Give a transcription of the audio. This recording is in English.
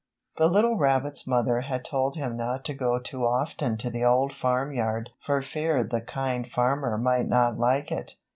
The little rabbit's mother had told him not to go too often to the Old Farm Yard for fear the Kind Farmer might not like it.